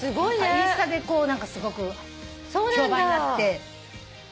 インスタで何かすごく評判になって。